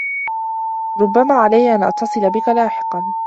ربما علي أن أتصل بك لاحقا.